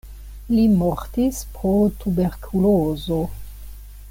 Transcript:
Li mortis pro tuberkulozo.